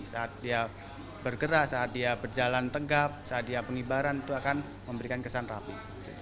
saat dia bergerak saat dia berjalan tegap saat dia pengibaran itu akan memberikan kesan rapi